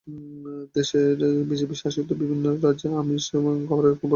দেশের বিজেপি শাসিত বিভিন্ন রাজ্যে আমিষ খাবারের ওপর কোপ পড়া শুরু হয়েছে।